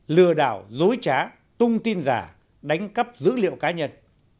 lừa đảo dối trá tung tin giả đánh cắp dữ liệu cá nhân